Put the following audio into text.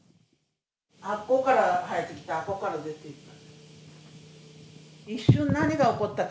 あそこから入ってきて、あそこから出ていった。